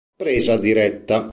Presa diretta